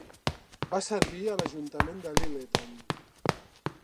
Va servir a l'ajuntament de Lyleton.